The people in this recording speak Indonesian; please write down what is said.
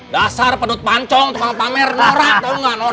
dasar pedut pancong pamer pamer norak